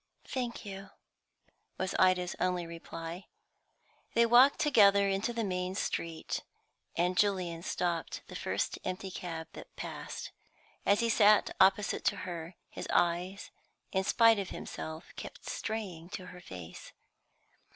"Thank you," was Ida's only reply. They walked together into the main street, and Julian stopped the first empty cab that passed. As he sat opposite to her, his eyes, in spite of himself, kept straying to her face.